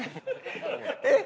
えっ？